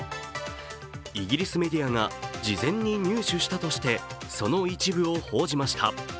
イギリスメディアが事前に入手したとしてその一部を報じました。